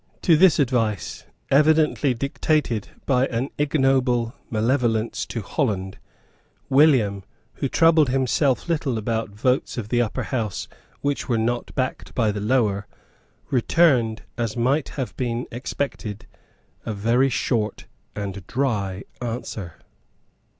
To this advice, evidently dictated by an ignoble malevolence to Holland, William, who troubled himself little about votes of the Upper House which were not backed by the Lower, returned, as might have been expected, a very short and dry answer.